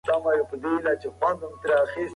هغه په خپل نامې او عمر پېژندل کېدی.